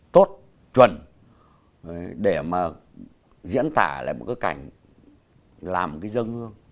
tốt chuẩn để mà diễn tả lại một cái cảnh làm cái dân hương